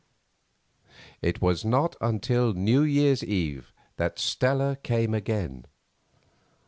It was not until New Year's Eve that Stella came again.